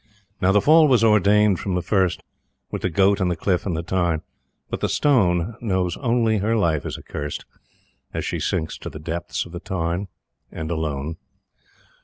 Now the fall was ordained from the first, With the Goat and the Cliff and the Tarn, But the Stone Knows only Her life is accursed, As She sinks in the depths of the Tarn, And alone.